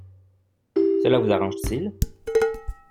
Cela vous arrange-t-il?